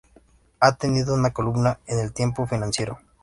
Ha tenido una columna en el Tiempo Financiero.